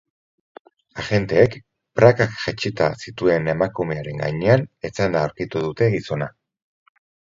Agenteek prakak jaitsita zituen emakumearen gainean etzanda aurkitu dute gizona.